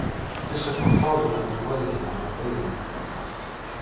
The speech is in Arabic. كشف فاضل عن ألوانه الحقيقية.